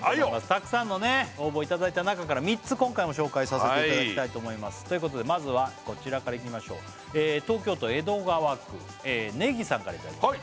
たくさんのね応募いただいた中から３つ今回も紹介させていただきたいと思いますということでまずはこちらからいきましょうからいただきました